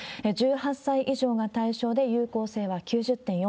１８歳以上が対象で、有効性は９０．４％。